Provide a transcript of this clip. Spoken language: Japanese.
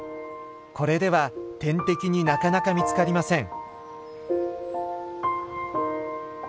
これでは天敵になかなか見つかりません。